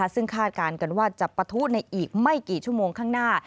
ซึ่งคาดการณ์กันว่าจะปะทุในอีกไม่กี่ชั่วโมงข้างหน้า